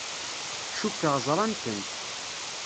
Cukkeɣ ẓran-kem.